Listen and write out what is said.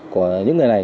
của những người này